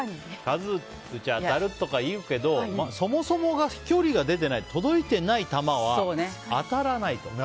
数打ちゃ当たるとか言うけどそもそもが飛距離が出ていない届いてない球は当たらないと。